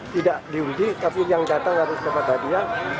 tidak diundi tapi yang datang harus dapat hadiah